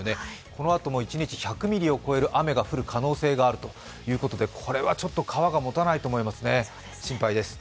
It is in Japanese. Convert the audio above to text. このあとも一日１００ミリを超える雨が降る可能性があるということでこれはちょっと川がもたないと思いますね、心配です。